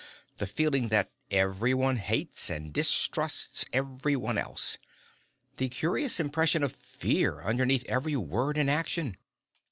The feeling that everyone hates and distrusts everyone else. The curious impression of fear underneath every word and action.